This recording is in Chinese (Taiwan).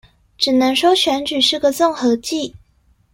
只能說選舉是個綜合技